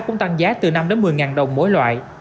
cũng tăng giá từ năm một mươi đồng mỗi loại